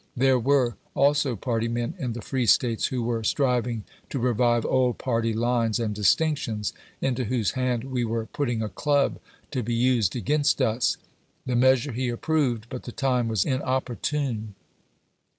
There were also party men in the free States who were striving to revive old party lines and distinctions, into whose hand we were putting a club to be used against us. The measure he approved, but the time was inopportune.